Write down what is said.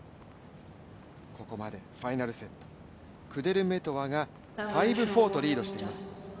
ここまでファイナルセット、クデルメトワが５−４とリードしています。